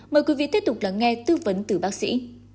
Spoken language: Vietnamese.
mời quý vị tiếp tục lắng nghe tư vấn từ bác sĩ